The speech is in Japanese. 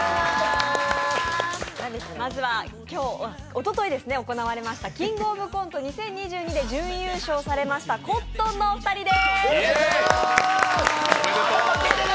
まずは、おととい行われました「キングオブコント２０２２」で準優勝されましたコットンのお二人です。